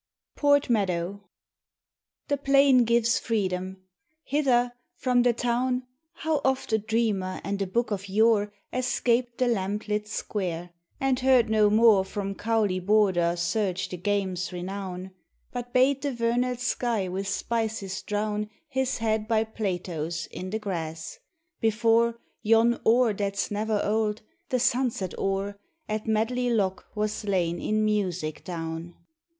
PORT MEADOW. The plain gives freedom. Hither, from the town, How oft a dreamer and a book of yore Escaped the lamplit Square, and heard no more From Cowley border surge the game's renown; But bade the vernal sky with spices drown His head by Plato's in the grass, before Yon oar that's never old, the sunset oar, At Medley Lock was lain in music down!